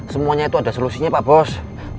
semuanya itu ada solusinya pak bos